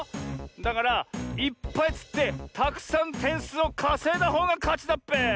だからいっぱいつってたくさんてんすうをかせいだほうがかちだっぺ！